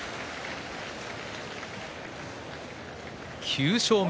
９勝目。